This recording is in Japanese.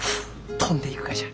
飛んでいくがじゃ。